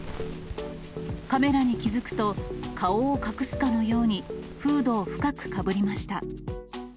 カメラに気付くと、顔を隠すかのように、フードを深くかぶりました。